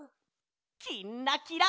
「きんらきら」。